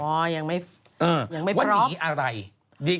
ว่าหนีอะไร